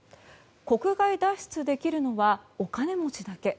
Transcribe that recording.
国外脱出できるのはお金持ちだけ。